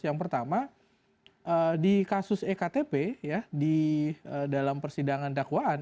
yang pertama di kasus ektp di dalam persidangan dakwaan